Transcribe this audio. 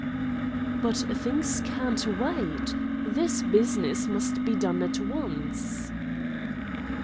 "But things can't wait; this business must be done at once."